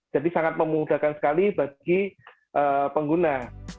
jadi sangat memudahkan sekali bagi pengguna